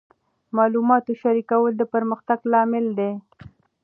د معلوماتو شریکول د پرمختګ لامل دی.